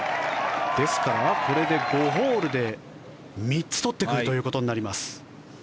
ですから、これで５ホールで３つ取ってくるということになります。